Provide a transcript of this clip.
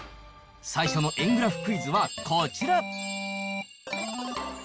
最初の円グラフクイズはこちら。